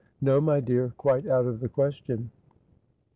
' No, my dear. Quite out of the question.'